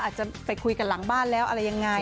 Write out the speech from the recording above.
อาจจะไปคุยกันหลังบ้านแล้วอะไรยังไง